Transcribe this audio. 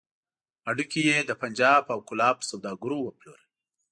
هډوکي يې د پنجاب او کولاب پر سوداګرو وپلورل.